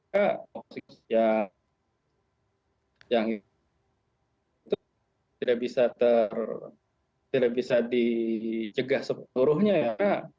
karena kita tidak bisa dijegah seluruhnya ya